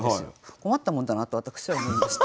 困ったもんだなと私は思いました。